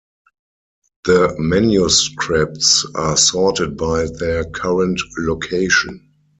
The manuscripts are sorted by their current location.